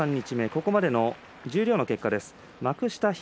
ここまでの十両の結果です。